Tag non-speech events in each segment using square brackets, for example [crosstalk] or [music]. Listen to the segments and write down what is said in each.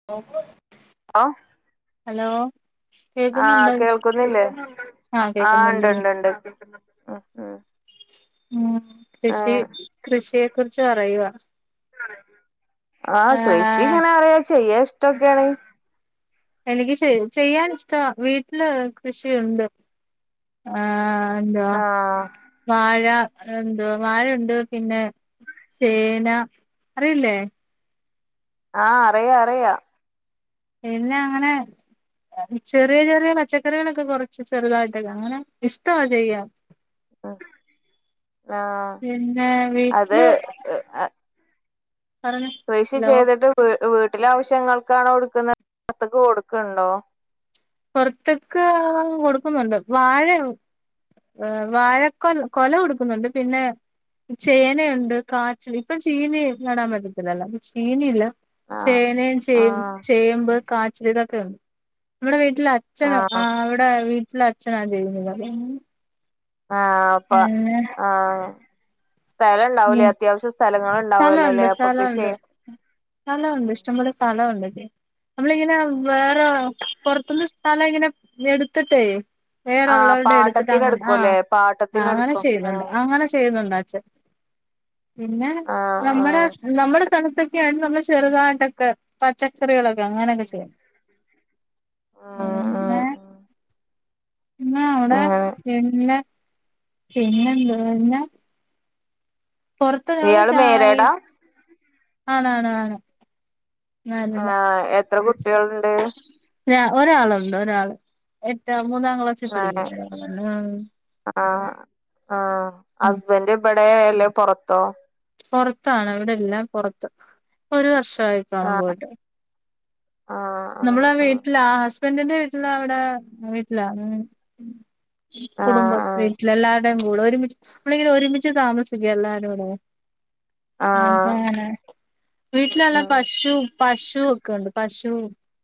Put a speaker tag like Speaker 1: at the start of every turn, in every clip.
Speaker 1: [inaudible]
Speaker 2: ആഹ്
Speaker 1: hello കേക്കുന്നുണ്ടോ
Speaker 2: ആഹ് കേൾക്കുന്നില്ലേ?
Speaker 1: ആ
Speaker 2: ആഹ്
Speaker 1: കേക്കുന്നുണ്ട്
Speaker 2: ണ്ട് ണ്ട് ണ്ട് [unintelligible]
Speaker 1: ഉം കൃഷി കൃഷിയെ കുറിച്ച് [unintelligible]
Speaker 2: ആഹ് കൃഷി
Speaker 1: ആ
Speaker 2: ഇങ്ങനെ അറിയ ചെയ്യാ ഇഷ്ട്ടൊക്കെയാണ്.
Speaker 1: എനിക്ക് ചെയ്യ ചെയ്യാൻ ഇഷ്ട വീട്ടില് കൃഷിയുണ്ട്. ആഹ് ന്താ
Speaker 2: ആഹ്
Speaker 1: വാഴ എന്തുവാ വാഴണ്ട് പിന്നെ ചേന അറിയില്ലേ.
Speaker 2: ആഹ് അറിയ അറിയ
Speaker 1: പിന്നെ അങ്ങനെ മിച്ചർ ചെറിയ പച്ചക്കറികളൊക്കെ കൊറച്ച് ചെറുതായിട്ടക്കെ അങ്ങനെ ഇഷ്ടമാ ചെയ്യാ.
Speaker 2: ഉം ആഹ്
Speaker 1: പിന്നെ
Speaker 2: അത്
Speaker 1: വീട്ടില് പറഞ്ഞ
Speaker 2: കൃഷി
Speaker 1: ഹലോ
Speaker 2: ചെയ്തിട്ട് വ് വീട്ട്ലെ ആവശ്യങ്ങൾക്കാണോ ഉടുക്കുന്ന ത്തക്ക് കൊടുക്ക്ണ്ടോ?
Speaker 1: പൊറത്ത്ക്ക് കൊടുക്കുന്നുണ്ട് വാഴ ഏഹ് വാഴക്കൊ കൊല കൊടുക്കുന്നുണ്ട് പിന്നെ ചേനയുണ്ട് കാച്ചിൽ ഇപ്പം ചീനി നടാൻ പറ്റത്തില്ലല്ലോ ചീനിയില്ല
Speaker 2: ആഹ്
Speaker 1: ചേനയും ചേ
Speaker 2: ആഹ്
Speaker 1: ചേമ്പ്, കാച്ചിൽ ഇതൊക്കെ ഉണ്ട് നമ്മുടെ വീട്ടിൽ അ അച്ഛന
Speaker 2: ആഹ്
Speaker 1: ആ അവടെ വീട്ട്ല് അച്ഛനാ ചെയ്യുന്നത്.
Speaker 2: ആഹ് പ്പ
Speaker 1: പിന്നെ
Speaker 2: ആഹ് സ്ഥലം ഇണ്ടാവൂലേ
Speaker 1: ഉം
Speaker 2: അത്യാവശ്യ സ്ഥലങ്ങൾ ഇണ്ടാവുലല്ലേ അപ്പൊ കൃഷി
Speaker 1: അല്ല ഇഷ്ടം പോലെ സ്ഥലം ഉണ്ട് നമ്മളങ്ങനെ വേറെ പൊറത്ത്ന്ന് സ്ഥലം ഇങ്ങനെ എടുത്ത്ട്ടേ
Speaker 2: ആഹ്
Speaker 1: വേറള്ളവരുടെ എടുത്തിട്ട്
Speaker 2: പാട്ടത്തിന്
Speaker 1: അങ്ങനെ
Speaker 2: എടുക്കുംല്ലേ
Speaker 1: ആഹ്
Speaker 2: പാട്ടത്തിന്
Speaker 1: അങ്ങനെ
Speaker 2: എടുക്കും
Speaker 1: ചെയ്യുന്നുണ്ട്
Speaker 2: ആഹ്
Speaker 1: അങ്ങനെ ചെയ്യുന്നുണ്ട് അച്ഛൻ. പിന്നെ നമ്മടെ
Speaker 2: ആഹ്
Speaker 1: നമ്മടെ സ്ഥലത്ത് [unintelligible] നമ്മൾ ചെറുതായിട്ടക്കെ പച്ചക്കറികളൊക്കെ അങ്ങനയൊക്കെ ചെയ്യും.
Speaker 2: ആഹ്
Speaker 1: പിന്നെ
Speaker 2: ആഹ് ആഹ്
Speaker 1: ന്ന
Speaker 2: ആഹ്
Speaker 1: അവടെ
Speaker 2: അങ്ങനെ
Speaker 1: [unintelligible] പൊറത്തനാവും
Speaker 2: ഇയാള് മേരേടാ
Speaker 1: ചായയും ആണാണ് ആണ് ആണാണ്
Speaker 2: ആഹ് എത്ര കുട്ടികൾണ്ട്
Speaker 1: ഒരാളുണ്ട് ഒരാള് എറ്റ മൂന്നാം ക്ലാസിൽ
Speaker 2: ആഹ്
Speaker 1: പഠിക്കുന്ന ഒരാള [unintelligible]
Speaker 2: ആഹ് ആഹ്
Speaker 1: ഉം
Speaker 2: ഹസ്ബന്റ് ഇബടെ എല്ലേ പൊറത്തോ
Speaker 1: പൊറത്താണ് ഇവിടെ ഇല്ല പൊറത്ത് ഒരു വർഷ ആയിക്കാണും
Speaker 2: ആഹ്
Speaker 1: പോയിട്ട് നമ്മളെ വീട്ടില ആഹ് ഹസ്ബന്റിന്റെ വീട്ടില അവിടെ വീട്ടിലാ ഉം ഉം കുടുംബത്ത്
Speaker 2: ആഹ്
Speaker 1: വീട്ടില് എല്ലാവരുടെേയും കൂടെ ഒരുമിച്ച് എപ്പളെങ്കിലും ഒരുമിച്ച് താമസിക്ക എല്ലാരും കൂടെ
Speaker 2: ആഹ് ആഹ്
Speaker 1: അതാണ് വീട്ടിലുള്ള പശു പശു ക്കണ്ട് പശു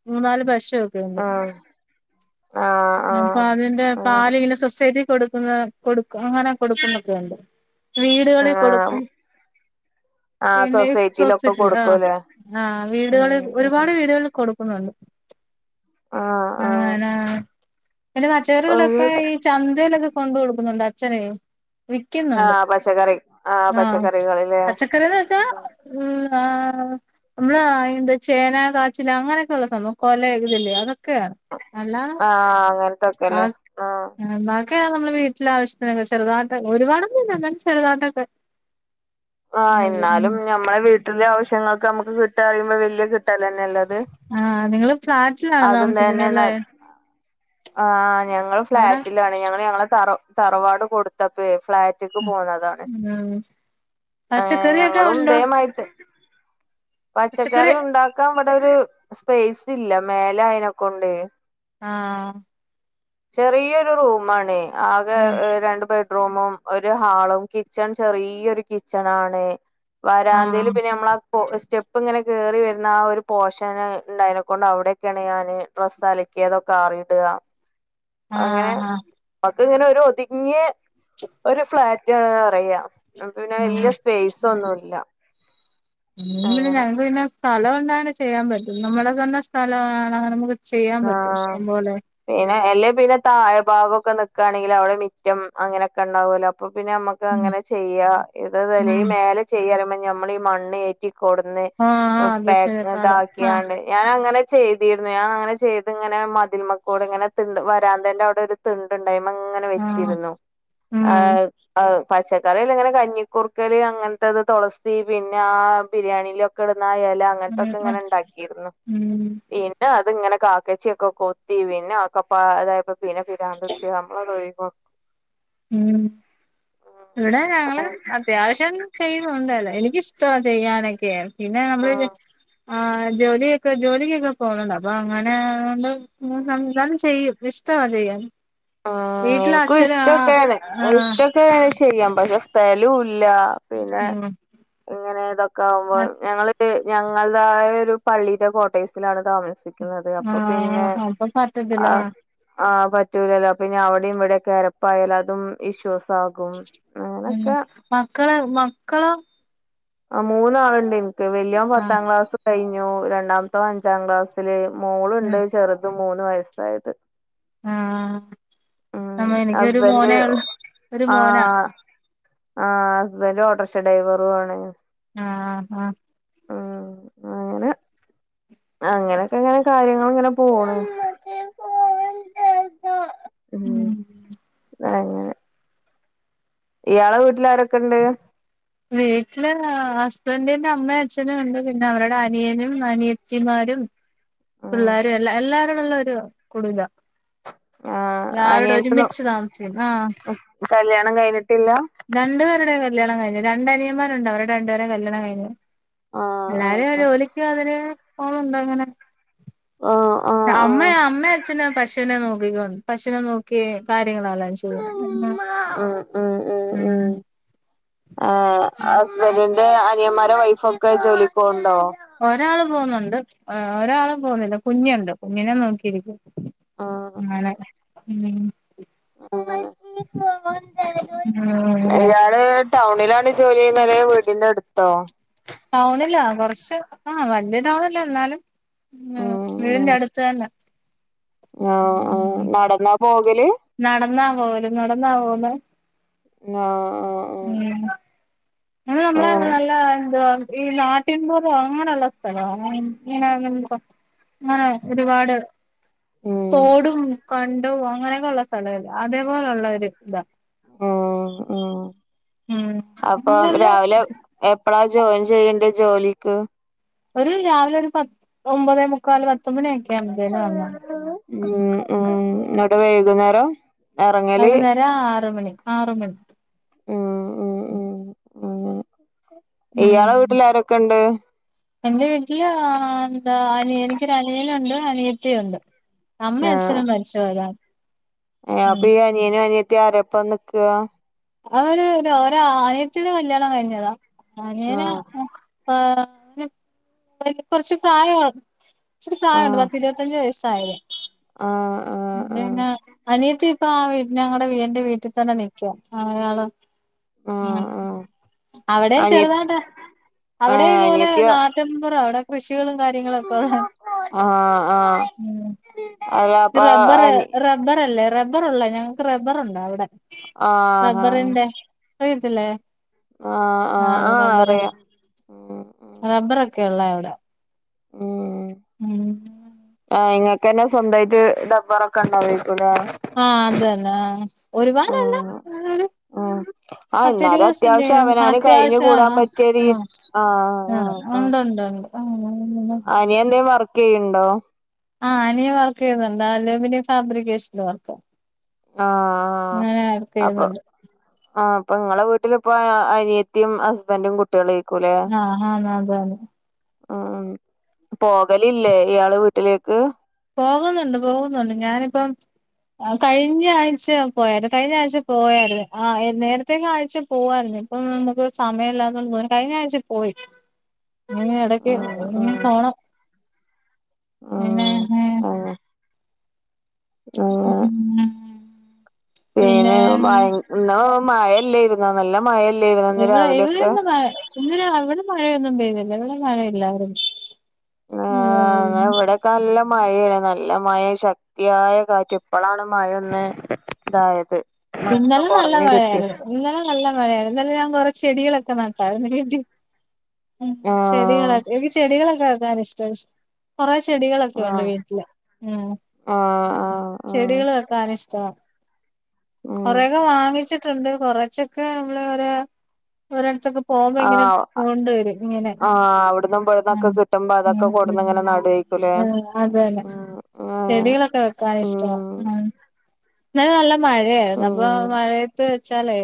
Speaker 1: മൂന്നാല് പശു ക്കെണ്ട്
Speaker 2: ആഹ് ഉം ആഹ് ആഹ്
Speaker 1: അപ്പൊ
Speaker 2: ആഹ്
Speaker 1: അതിന്റെ
Speaker 2: അങ്ങനെ
Speaker 1: പാല്ങ്ങനെ സൊസൈറ്റി കൊടുക്കുന്ന കൊടുക്ക അങ്ങനെ കൊടുക്കുന്ന ഒക്കെണ്ട് വീടുകളിൽ
Speaker 2: ആഹ്
Speaker 1: കൊടുക്കും
Speaker 2: ആഹ്
Speaker 1: പിന്നെ
Speaker 2: സൊസൈറ്റിയിലൊക്കെ
Speaker 1: ശ്വസിച്ചിട്ടില്ല ആഹ്
Speaker 2: കൊടുക്കൂല്ലേ
Speaker 1: ആഹ്
Speaker 2: ഉം
Speaker 1: വീടുകളിൽ
Speaker 2: ഉം
Speaker 1: ഒരുപാട് വീടുകളിൽ ഇപ്പം വന്നു
Speaker 2: ആഹ് ആഹ്
Speaker 1: [unintelligible]
Speaker 2: അങ്ങനെ
Speaker 1: ചന്തയിലൊക്കെ കൊണ്ട് കൊടുക്കുന്നുണ്ട് അച്ഛനെയ് വിക്കുന്നുണ്ട്
Speaker 2: ആഹ് പച്ചക്കറി
Speaker 1: ആഹ്
Speaker 2: പച്ചക്കറികളില്ലേ
Speaker 1: പച്ച ക്കറികള് വെച്ചാ ഉം ആഹ് നമ്മളെന്ത ചേന കാച്ചില് അങ്ങനെ ക്കൊള്ളെ സംഭവം കൊലെ തില്ലേ അതൊക്കെയാണ് അല്ലാ
Speaker 2: ആഹ് അങ്ങൻ
Speaker 1: ആഹ് [unintelligible] ഒക്കെയ നമ്മള് വീട്ടിലെ ആവശ്യത്തിനൊക്കെ ചെറുതാട്ട് ഒരുപാടൊന്നുല്ല ന്നാലും ചെറുതാട്ടൊക്കെ
Speaker 2: ആഹ് ഇന്നാലും ഞമ്മളെ വീട്ടിലെ ആവശ്യങ്ങൾക്ക്‌ നമ്മുക്ക് കിട്ട അറിയുമ്പോ വലിയ കിട്ടലന്നെ അല്ലെ അത്
Speaker 1: ആഹ് നിങ്ങള് ഫ്ളാറ്റിലാണോ
Speaker 2: ന
Speaker 1: താമസിക്കുന്നതല്ലേ
Speaker 2: ആഹ് ഞങ്ങള്
Speaker 1: അവിടെ
Speaker 2: ഫ്ളാറ്റിലാണ് ഞങ്ങള് ഞങ്ങളെ തറ തറവാട് കൊടുത്തപ്പയേ ഫ്ളാറ്റ്ക്ക് പോന്നതാണ്
Speaker 1: ആഹ്
Speaker 2: അങ്ങനെ
Speaker 1: പച്ചക്കറിയൊക്കെ
Speaker 2: ഞങ്ങളും
Speaker 1: ഉണ്ടോ
Speaker 2: ഇതേമായിട്ട് പച്ചക്കറി ഉണ്ടാക്കാൻ ഇവിടൊരു സ്പേസ് ഇല്ല മേലെ അയിനെ കൊണ്ടെയ്
Speaker 1: ആഹ്
Speaker 2: ചെറിയൊരു റൂമാണേ ആകെ
Speaker 1: ആഹ്
Speaker 2: ഏഹ് രണ്ട് ബെഡ് റൂമും ഒരു ഹാളും കിച്ചൺ ചെറിയൊരു കിച്ചൺ ആണേയ് വരാന്തേല്
Speaker 1: ആഹ്
Speaker 2: പിന്നെ നമ്മളാ [unintelligible] സ്റ്റെപ്പ് ഇങ്ങനെ കേറി വരുന്ന ആ ഒരു പോഷന് ഉണ്ടായേനെകൊണ്ട് അവിടെക്കെയാണ് ഞാന് ഡ്രസ്സ്‌ അലിക്കയതൊക്കെ ആറിയിട
Speaker 1: [inaudible]
Speaker 2: അങ്ങനെ
Speaker 1: ആഹ് ആഹ്
Speaker 2: അതൊക്കെ ഇങ്ങനെ ഒരു ഒതുങ്ങിയ ഒരു ഫ്ലാറ്റ് ആണ് അറിയ അത് പിന്നെ
Speaker 1: ഉം
Speaker 2: വല്യ സ്പേസൊന്നുല്ല
Speaker 1: പിന്നെ ഞങ്ങക്ക് പിന്നെ സ്ഥലം കൊണ്ടാണ് ചെയ്യാൻ പറ്റും നമ്മള തന്നെ സ്ഥലമാണ് അങ്ങനെ നമുക്ക് ചെയ്യാൻ പറ്റും
Speaker 2: ആഹ്
Speaker 1: ഇഷ്ടം പോലെ
Speaker 2: പിന്നെ അല്ലേ പിന്നെ താഴെ ഭാഗോക്കെ നിക്കണെങ്കിൽ അവിടെ മിറ്റം അങ്ങനെയൊക്കെ ഉണ്ടാവോല്ലോ അപ്പൊ പിന്നെ നമ്മക്ക്
Speaker 1: ഉം
Speaker 2: അങ്ങനെ ചെയ്യാ ഇത് അതല്ല
Speaker 1: ഉം
Speaker 2: ഈ മേലെ ചെയ്യ അറീമ്പം നമ്മള് ഈ മണ്ണ് ഏറ്റി കൊടുന്ന്
Speaker 1: ആഹ് ആഹ് അത്
Speaker 2: പാക്ക്
Speaker 1: ശരിപ്പാടാ ആഹ്
Speaker 2: ഇതാക്കിയാണ് ഞാൻ അങ്ങനെ ചെയ്തിരുന്നു ഞാൻ അങ്ങനെ ചെയ്തീരുന്നു ഞാൻ അങ്ങനെ ചെയ്ത് ഇങ്ങനെ മതിൽമ്മക്കുടെ ഇങ്ങനെ തിണ്ട് വരാന്തന്റെ അവിടെ ഒരു തിണ്ടുണ്ട് അയ്മങ്ങനെ
Speaker 1: ആഹ്
Speaker 2: വെച്ചിരുന്നു
Speaker 1: ഉം
Speaker 2: ആഹ് ആഹ് പച്ചക്കറിൽ ഇങ്ങനെ കഞ്ഞിക്കുർക്കല് അങ്ങനത്തെത് തൊളസി പിന്നെ ആ ബിരിയാണിയിലൊ ക്കെ ടുന്ന ആ എല അങ്ങനത്തൊക്കെ
Speaker 1: ഉം
Speaker 2: ഇങ്ങനെ ഉണ്ടാക്കിരുന്നു
Speaker 1: ഉം
Speaker 2: പിന്നെ അത്ങ്ങനെ കാക്കച്ചി ഒക്കെ കൊത്തി പിന്നെ ഒക്കപ്പ അതായപ്പം പിന്നെ പിരാന്ത് പിടിച്ച് നമ്മളത് ഒഴിവാക്കും
Speaker 1: ഊം ഇവടെ ഞങ്ങളും അത്യാവശ്യം ചെയ്യുന്നുണ്ടല്ലോ എനിക്കിഷ്ടവാ ചെയ്യാനൊക്കെയ് പിന്നെ നമ്മള്
Speaker 2: ഉം
Speaker 1: ആ ജോലിയൊക്കെ ജോലിക്കൊക്കെ പോണണ്ട് അപ്പൊ അങ്ങനെ ആയോണ്ട് [unintelligible] ചെയ്യും ഇഷ്ടവാ ചെയ്യാൻ
Speaker 2: ഉം
Speaker 1: വീട്ടില്
Speaker 2: എനിക്കും
Speaker 1: അച്ഛന് ആ
Speaker 2: ഇഷ്ടമൊക്കെയാണ്
Speaker 1: ആ
Speaker 2: ഇഷ്ടൊക്കെ ചെയ്യാം പക്ഷെ സ്ഥല്ല ഇല്ല പിന്നെ
Speaker 1: ഉം
Speaker 2: ഇങ്ങനെ ഇതൊക്കെ ആകുമ്പോ ഞങ്ങ ഞങ്ങളതായ ഒരു പള്ളിയുടെ കോട്ടഴ്സിലാണ് താമസുന്നത് നിക്കുന്നത് അപ്പൊ പിന്നെ
Speaker 1: ആഹ് അപ്പൊ പറ്റത്തില്ല
Speaker 2: ആഹ് ആഹ് പറ്റൂലല്ലോ പിന്നെ അവിടെയും ഇവിടെ കെരപ്പായാലും അതും ഇഷ്യൂസ് ആകും
Speaker 1: ഉം
Speaker 2: അങ്ങനൊക്കെ
Speaker 1: മക്കള് മക്കളോ
Speaker 2: ആഹ് മൂന്നാളുണ്ട് എനിക്ക് വല്യയോൻ
Speaker 1: ആഹ്
Speaker 2: പത്താം ക്ലാസ് കഴിഞ്ഞു രണ്ടാമത്തവൻ അഞ്ചാം ക്ലാസ്
Speaker 1: ഉം
Speaker 2: മോളുണ്ട് ചെറുതും മൂന്ന് വയസ്സായത്
Speaker 1: ആഹ്
Speaker 2: ഉം
Speaker 1: നമ്മ എനിക്കൊരു
Speaker 2: ഹസ്ബൻ്റ്
Speaker 1: മോനേ ഉള്ളു ഒരു മോനാ
Speaker 2: ആഹ് ആഹ് ഹസ്ബന്റ് ഓട്ടോറിക്ഷാ ഡ്രൈവറു ആണ്
Speaker 1: ആഹ് ആഹ്
Speaker 2: ഉം അങ്ങനെ അങ്ങനെയൊക്കെ ഇങ്ങനെ കാര്യങ്ങള് ഇങ്ങനെ പോണ്
Speaker 1: ഉം
Speaker 2: അങ്ങനെ ഇയാളെ വീട്ടിൽ ആരൊക്കെ ഉണ്ട്
Speaker 1: [inaudible] വീട്ടില് ഹസ്ബൻ്റിന്റെ അമ്മയും അച്ഛനും ഉണ്ട് പിന്നെ അവരുടെ അനിയനും അനിയത്തിമാരും
Speaker 2: ഉം
Speaker 1: പിള്ളേരും എല്ലാ എല്ലാരും ഒള്ള ഒരു കുടുംബാ
Speaker 2: ആ
Speaker 1: എല്ലാരും ഇവിടെ
Speaker 2: അനിയന്റെ
Speaker 1: ഒരുമിച്ച് താമസിക്കണ് ആഹ്
Speaker 2: കല്യാണം കഴിഞ്ഞിട്ടില്ല
Speaker 1: രണ്ടു പേരുടെ കല്യാണം കഴിഞ്ഞു രണ്ടനിയന്മാരുണ്ട് അവരുടെ രണ്ടുപേരുടെ കല്യാണം കഴിഞ്ഞു
Speaker 2: ആ ആ
Speaker 1: എല്ലാരെയും ജോലിക്ക് അവര് പോണുണ്ട് അങ്ങനെ
Speaker 2: ആ ആ ആ ആ
Speaker 1: അമ്മയാ അമ്മേ അച്ഛനാ പശു പശുനെ നോക്കിക്കണ്ട് പശുനെ നോക്കി കാര്യങ്ങളെല്ലാം ചെയ്യും ഉം
Speaker 2: ഉം ഉം ഹസ്ബൻന്റെ അനിയന്മാരെ വൈഫോ ഒക്കെ ജോലിക്ക് പോണുണ്ടോ
Speaker 1: ഒരാൾ പോന്നുണ്ട് ഒരാള് പോകുന്നില്ല കുഞ്ഞുണ്ട് കുഞ്ഞിനെ നോക്കിയിരിക്കും അങ്ങനെ ഉം
Speaker 2: [inaudible]
Speaker 1: ഉം
Speaker 2: ടൗണിലാണ് ജോലി ചെയ്യുന്നത് അതോ വീടിന്റെ അടുത്തോ
Speaker 1: ടൗണിലാ കുറച്ച് ആഹ വലിയ ടൗണല്ല എന്നാലും ഉം വീടിന്റെ അടുത്ത് തന്നെ
Speaker 2: ആഹ് ആഹ്
Speaker 1: ഉം
Speaker 2: നടന്നാ പോകല്
Speaker 1: നടന്നാ പോകല് നടന്നാ പോവ്ന്നെ
Speaker 2: ആഹ് ആഹ് ആഹ് ആഹ്
Speaker 1: ഉം നമ്മള നല്ല എന്തുവാ ഈ നാട്ടിൻപുറം അങ്ങനെയുള്ള സ്ഥലവാ ഇങ്ങനെ നമുക്ക് ആഹ് ഒരുപാട്
Speaker 2: ഉം
Speaker 1: തോടും ബണ്ടും അങ്ങനെയൊക്കെ ഉള്ള സ്ഥലേല്ല അതേപോലെയുള്ള ഒരു ഇതാ
Speaker 2: ഉം ഉം
Speaker 1: ഉം
Speaker 2: അപ്പം
Speaker 1: അങ്ങനല്ല
Speaker 2: രാവിലെ എപ്പഴാ ജോയിൻ ചെയ്യണ്ടേ ജോലിക്ക്
Speaker 1: ഒരു രാവിലെ ഒരു പത്ത് ഒമ്പതേ മുക്കാല് പത്തുമണിയൊക്കെ അവുമ്പോഴ് വന്നാണ്
Speaker 2: ഉം ഉം എന്നിട്ട് വൈകുന്നേരോ
Speaker 1: വൈകുന്നേരം ആറ് മണി ആറ് മണി
Speaker 2: ഉം ഉം ഉം ഉം ഇയാളെ
Speaker 1: ഉം
Speaker 2: വീട്ടിൽ ആരൊക്കെ ഉണ്ട്
Speaker 1: എന്റെ വീട്ടില് എന്താ അനി എനിക്കൊരു അനിയനുണ്ട് അനിയത്തിയുണ്ട് അമ്മേം
Speaker 2: ആഹ്
Speaker 1: അച്ഛനും മരിച്ചു പോയതാ
Speaker 2: അപ്പൊ
Speaker 1: ഉം
Speaker 2: ഈ അനിയനും അനിയത്തിയും ആരപ്പം നിക്കുക
Speaker 1: അവന് ഒര് ഒരനിയത്തിടെ കല്യാണം കഴിഞ്ഞതാ അനിയന്
Speaker 2: ആഹ്
Speaker 1: ഉം ആഹ് അവന് [unintelligible] കൊറച്ച് പ്രായാ ഇച്ചിരി പ്രായണ്ട്
Speaker 2: ആഹ്
Speaker 1: പത്തിരുപത്തിയഞ്ച് വയസ്സായതാ
Speaker 2: ആഹ് ആഹ്
Speaker 1: [unintelligible] അനിയത്തി ഇപ്പ ആ വീ ഞങ്ങടെ വീ എൻ്റെ വീട്ടി തന്നെ നിക്കുവാ അയാളും ഉം
Speaker 2: ആഹ് ആഹ് ആഹ്
Speaker 1: അവിടെയും
Speaker 2: അനിയ
Speaker 1: ചെറുതായിട്ട് അവിടെ
Speaker 2: ആഹ്
Speaker 1: ഇതുപോലെ
Speaker 2: അനിയത്തിയോ
Speaker 1: നാട്ട് [unintelligible] അവിടെ കൃഷികളും കാര്യങ്ങളൊക്കെ ഒള്ളയാ
Speaker 2: ആഹ് ആഹ് [unintelligible] അനി
Speaker 1: റബ്ബറല്ലേ റബ്ബർ ഒള്ളാ ഞങ്ങക്ക് റബ്ബറുണ്ടവിടെ
Speaker 2: ആഹ് ആഹ്
Speaker 1: റബ്ബറിന്റെ [unintelligible] ച്ചല്ലേ
Speaker 2: ആഹ്
Speaker 1: ആഹ് [unintelligible]
Speaker 2: ഉം ഉം
Speaker 1: റബ്ബറക്കെ ഇള്ളയാ അവിടെ?
Speaker 2: ഉം
Speaker 1: ഉം.
Speaker 2: ആഹ് ഇങ്ങക്കന്നെ സ്വന്തായിട്ട് ഡബറൊക്കെ ഇണ്ടാവായിക്കുവല്ലേ
Speaker 1: ആഹ് അത് തന്നെ ആഹ് ഒരുപാടല്ല
Speaker 2: ആഹ്
Speaker 1: എന്നാലും
Speaker 2: ഉം ആഹ് എന്നാലും
Speaker 1: പത്തിരുപത് സെൻ്റ്
Speaker 2: അത്യാവശ്യം അവനാന് കഴിഞ്ഞു
Speaker 1: അത്യാവശ്യ
Speaker 2: കൂടാൻ
Speaker 1: ആഹ്
Speaker 2: പറ്റിയ രീ
Speaker 1: ആഹ് ആഹ് ഒണ്ട് ഒണ്ട് ഒണ്ട്
Speaker 2: നിയേന്തെ വർക്ക് ചെയ്യണ്ടോ?
Speaker 1: ആഹ് അനിയൻ വർക്ക് ചെയ്യുന്നുണ്ട് അലൂമിനിയം ഫാബ്രിക്കേഷൽ വർക്ക്
Speaker 2: ആഹ്
Speaker 1: അങ്ങനെ
Speaker 2: ആഹ്
Speaker 1: വർക്ക് ചെയ്യുന്നുണ്ട്
Speaker 2: അപ്പം ആഹ് അപ്പൊ ഇങ്ങളെ വീട്ടിലിപ്പാ ആഹ് അനിയത്തിയും ഹസ്ബൻ്റും കു ട്ടികളായിരിക്കൂല്ലേ
Speaker 1: ആഹ് ആന്ന് അതാണ്
Speaker 2: ഉം പോകലില്ലേ ഇയാള് വീട്ടിലേക്ക്
Speaker 1: പോകുന്നുണ്ട് പോകുന്നുണ്ട് ഞാനിപ്പം ആഹ് കഴിഞ്ഞ ആഴ്ച്ച പോയായിരുന്നു കഴിഞ്ഞ ആഴ്ച്ച പോയായിരുന്നു ആഹ് എ നേരത്തെക്കെ ആഴ്ച പോവായിരുന്നു ഇപ്പോ നമ്മക്ക് സമയം ഇല്ലാത്ത കൊണ്ട് കഴിഞ്ഞ ആഴ്ച്ച പോയി ഇങ്ങനെ എടക്ക്
Speaker 2: ഉം ഉം
Speaker 1: [unintelligible] പോണം പിന്നെ ഏ,
Speaker 2: ആഹ്
Speaker 1: ഉം മം മ്മ്മ്
Speaker 2: പിന്നെ ഭയ ഇന്ന് മയല്ലായിരുന്നോ നല്ല മയല്ലായിരുന്നോ ഇന്ന്
Speaker 1: ഇവിടെ
Speaker 2: രാവിലെയൊക്കെ
Speaker 1: ഇവിടെന്നും മഴ ഇന്നലെ ഇവിടെ മഴയൊന്നും പെയ്തില്ല ഇവിടെ മഴ ഇല്ലാരുന്ന് ഉം
Speaker 2: ക്ക നല്ല മഴയാണ് നല്ല മഴേം ശക് ശക്തിയായ കാറ്റും ഇപ്പഴാണ് മഴ ഒന്ന് ഇതായത് മഴ ഒന്ന്
Speaker 1: ഇന്നലെ നല്ല
Speaker 2: കൊറഞ്ഞ് കിട്ടി
Speaker 1: മഴയായിരുന്നു ഇന്നലെ നല്ല മഴയായിരുന്നു ഇന്നലെ ഞാൻ കൊറെ ചെടികളൊക്കെ നട്ടാ [unintelligible]
Speaker 2: ആഹ്
Speaker 1: ചെടികളെ എനിക്ക് ചെടികളൊക്കെ വെക്കാൻ ഇഷ്ട്ടാ [unintelligible] കൊറെ ചെടികളൊക്കെ ഒണ്ട്
Speaker 2: ആഹ്
Speaker 1: വീട്ടില് ആഹ്
Speaker 2: ആഹ് ആഹ് ആഹ്
Speaker 1: ചെടികൾ വെക്കാൻ ഇഷ്ട്ടവാ
Speaker 2: ഉം
Speaker 1: കൊറെയൊക്കെ വാങ്ങിച്ച് റ്റൊണ്ട് കൊറച്ചൊക്കെ നമ്മള് ഒര് ഓരോടുത്തൊക്കെ പോകുമ്പോ ഇങ്ങനെ
Speaker 2: ആഹ്
Speaker 1: കൊണ്ട് വരും [unintelligible] ഇങ്ങനെ
Speaker 2: ആഹ് അവിടന്നും ഇവിടന്നൊക്കെ
Speaker 1: [unintelligible]
Speaker 2: കിട്ടുമ്പോ അതൊക്കെ കൊടുന്ന് ഇങ്ങനെ നടുവായിരിക്കൂലേ
Speaker 1: അതല്ലെ
Speaker 2: ഉം ഉം
Speaker 1: ചെടികളൊക്കെ വെക്കാൻ ഇഷ്ട്ടവാ ആഹ് ഇന്നലെ നല്ല
Speaker 2: ഉം
Speaker 1: മഴയായിരുന്നു അപ്പൊ
Speaker 2: ഉം
Speaker 1: മഴയത്ത് വെച്ചാലേ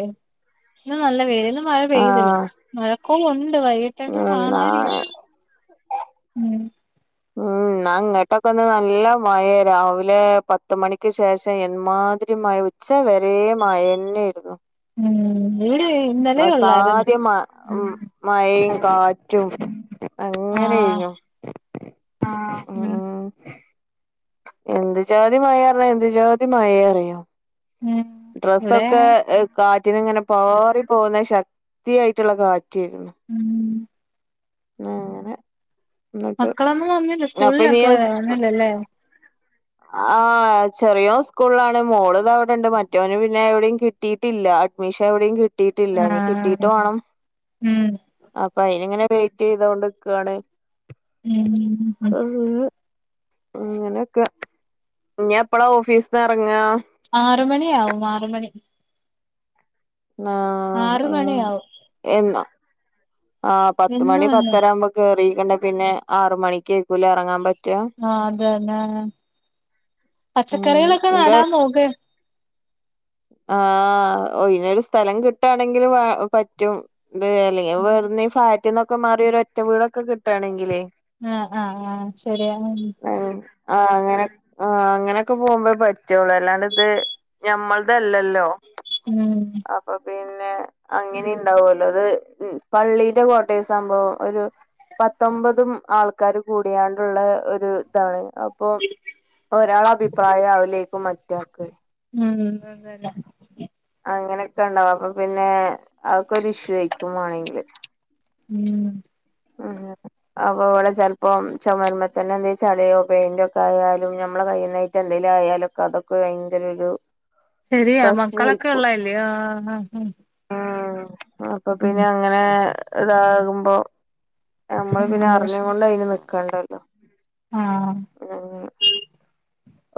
Speaker 1: ഇന്ന് നല്ല വെയിലും ന്ന് മഴ പെയ്തില്ല
Speaker 2: ആഹ്
Speaker 1: മഴക്കോളൊണ്ട് വൈകിട്ടേന് കാണുവായിരിക്കും
Speaker 2: എന്നാ
Speaker 1: ഉം
Speaker 2: ഇന്നാ ഇങ്ങട്ടൊക്കെ ഇന്ന് നല്ല മഴേ രാവിലെ പത്ത് മണിക്ക് ശേഷം എമ്മാതിരി മഴേ ഉച്ച് ഉച്ച വെരെ മയന്നെ ആയിരുന്നു
Speaker 1: ഉം [unintelligible] ഉള്ളായിരുന്നു
Speaker 2: അസാധ്യ മ ഉം മഴയും കാറ്റും
Speaker 1: ആഹ്
Speaker 2: അങ്ങനേയ്നു
Speaker 1: ഉം
Speaker 2: എന്ത് ജാതി മഴേറ്ഞ്ഞാ എന്ത് ജാതി മഴേ അറിയോ
Speaker 1: ഉം ഇവിടെ
Speaker 2: ഡ്രസ്സൊക്കെ കാറ്റിന്ങ്ങനെ പാറി പോവുന്നെ ശക്തിയായിട്ട്ള്ള കാ [unintelligible]
Speaker 1: ഉം
Speaker 2: അങ്ങെനെ
Speaker 1: മക്കളൊന്നും വന്നില്ലേ സ്കൂളിലൊക്കെ പോയെ
Speaker 2: ഇനി
Speaker 1: വന്നില്ലല്ലേ
Speaker 2: ആഹ് ചെറിയോൻ സ്കൂള്ലാണ് മോള് താ വിടെണ്ട് മ റ്റാേന് പിന്നെ എവ്ടിം കിട്ടീട്ടില്ല അഡ്മിഷൻ എവ്ടിം കി ട്ടീട്ടില്ലാ ഇനി കിട്ടീട്ട്
Speaker 1: ആഹ്
Speaker 2: വാണം
Speaker 1: ഉം
Speaker 2: അപ്പ അയ്ന്ങ്ങെനെ വെയ്റ്റെയ്താേണ്ട്ക്കാണ്
Speaker 1: ഊം ഉം
Speaker 2: [unintelligible] അങ്ങനാെക്കെ ഇഞ്ഞെപ്പളാ ഓഫീസ്ന്ന് എറെങ്ങാ
Speaker 1: ആറ് മണ്യാവും ആറ് മണി
Speaker 2: ആഹ്
Speaker 1: ആറ്
Speaker 2: ആഹ്
Speaker 1: മണിയാവും
Speaker 2: എന്നാ ആഹ് പത്തുമണി
Speaker 1: എന്നും എന്നും
Speaker 2: പത്തരാവ്മ്പ കേറിക്ക്ണ്ടെ പിന്നെ ആറു മണിക്കേയ്കുലെ എറെങ്ങാം പ
Speaker 1: ആഹ് അത് തന്നെ
Speaker 2: ഉം
Speaker 1: പച്ചക്കറികളൊക്കെ
Speaker 2: എന്താ
Speaker 1: നടാൻ നോക്ക്
Speaker 2: ആഹ് ഒയ്ഞ്ഞൊരു സ്ഥലം കിട്ടാണെങ്കില് പ പറ്റും തായാലേ വെട്ന്ന് ഈ ഫ്ളാറ്റ്ന്നൊക്കെ മാറി ഒര് ഒറ്റ വീടൊക്കെ കിട്ടാണെങ്കിലേ
Speaker 1: ആഹ് ആഹ് ആഹ് ശെര്യാണ്
Speaker 2: ആഹ് അങ്ങെനെ ആഹ് അങ്ങെനെക്കെ പോകുമ്പേ പറ്റൊള്ളൂ അല്ലാണ്ട്ത് ഞമ്മൾ തെല്ലെല്ലോ
Speaker 1: ഊം
Speaker 2: അപ്പൊ പിന്നെ അങ്ങനിം ണ്ടാവാേല്ലോ ത് പള്ളീടെ കോട്ടെയ്സ്മ്പോ ഒരു പത്തൊമ്പതും ആൾക്കാര് കൂട്യാണ്ട്ള്ളെ ഒരു താണ് അപ്പം ഒരാളഭിപ്രായാവ്‌ലേക്കും മറ്റാക്ക്
Speaker 1: ഉം അതേലേ
Speaker 2: അങ്ങെനെക്കെണ്ടാവും അപ്പൊ പിന്നെ അതൊക്കൊ ഇഷ്യൂ ആയിക്കും വാണെങ്കില്
Speaker 1: ഉം
Speaker 2: അങ്ങെനെ അപ്പൊ വടെ ചെൽപ്പം ചൊമര്മ്മേ തന്നെ എന്തേം ചള്യോ പെയിന്റാെക്കായാലും ഞമ്മളെ കയ്യ്ന്നാ റ്റ് എന്തേലും ആയാലൊക്കെ അതൊക്കെ ഭയെങ്കെരൊരു
Speaker 1: ശെരിയാ മക്കളൊക്കെ ഉള്ളല്ലേ ആഹ് ഹാ ഹും
Speaker 2: അപ്പൊ പിന്നെ അങ്ങെനേ താകുമ്പോ ഞമ്മള് പിന്നെ അർഞ്ഞ്ങ്കൊണ്ട് അയ്ന് നിക്കണ്ടൽ
Speaker 1: ആഹ്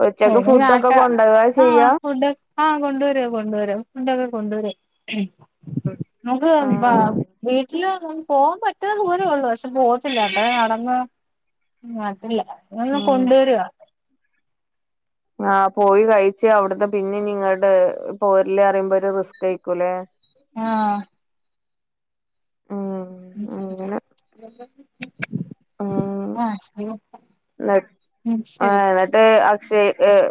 Speaker 2: ഉച്ചക്ക്
Speaker 1: [unintelligible] കാട്ട
Speaker 2: ഫുഡൊക്കെ കൊണ്ടോവാ
Speaker 1: ആഹ്
Speaker 2: ചെയ്യാ
Speaker 1: ഫുഡാെ ആഹ് കൊണ്ട് വരും കൊണ്ട് വരും ഫുണ്ടൊക്കെ കൊണ്ട് വരും നമ്ക്ക് ബാ
Speaker 2: ആഹ്
Speaker 1: ബീച്ചില് വന്ന് പോവാൻ പറ്റ്ന്നെ ദൂരേയൊള്ളൂ പക്ഷെ പോവത്തില്ല അതങ്ങ് നടന്ന് [unintelligible] ണില്ല ഇങ്ങള്ന്നാ
Speaker 2: ഉം
Speaker 1: കൊണ്ട് വരോ
Speaker 2: ആഹ് പോയി കഴിച്ച് അവ്ട്ന്ന് പിന്നിംഞ്ഞ്ങ്ങട്ട് പോര്ല് അറീമ്പാെര് റിസ്കെയ്ക്കുലേ
Speaker 1: ആഹ്
Speaker 2: ഉം അങ്ങനെ
Speaker 1: [unintelligible]
Speaker 2: ഉം
Speaker 1: ആഹ് ശരി
Speaker 2: ന്നട്
Speaker 1: ഉം ശരി
Speaker 2: ഏഹ് ന്നട്ട് അക്ഷെയേക്ക്